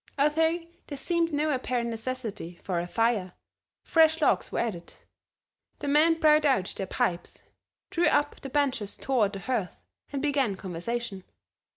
Although there seemed no apparent necessity for a fire, fresh logs were added. The men brought out their pipes, drew up the benches toward the hearth and began conversation.